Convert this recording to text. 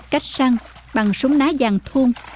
cách săn bằng súng ná vàng thun